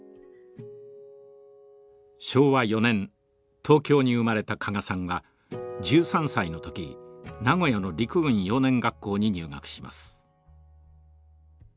昭和４年東京に生まれた加賀さんは１３歳の時名古屋の陸軍幼年学校に入学します。